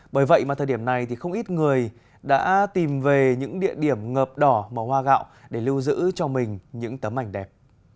bởi vậy mà thời điểm này thì không ít người đã tìm về những địa điểm ngợp đỏ màu hoa gạo để lưu giữ cho mình những tấm ảnh đẹp